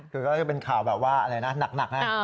คือก็จะเป็นข่าวแบบว่าอะไรนะหนักนะ